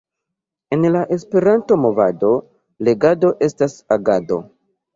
En la Esperanto-movado, legado estas agado!